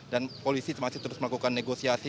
dan polisi masih terus melakukan negosiasi